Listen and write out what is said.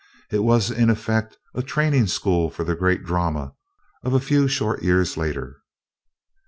It was in effect a training school for the great drama of a few short years later.